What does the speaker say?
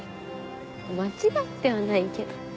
間違ってはないけど。